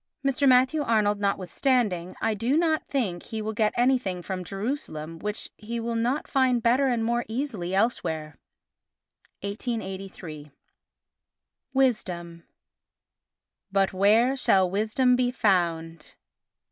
Mr. Matthew Arnold notwithstanding, I do not think he will get anything from Jerusalem which he will not find better and more easily elsewhere. [1883.] Wisdom But where shall wisdom be found?